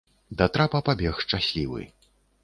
Да трапа пабег шчаслівы.